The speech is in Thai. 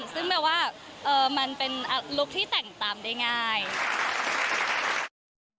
ซึ่งแมวว่ามันเป็นลุคที่แต่งตามได้ง่าย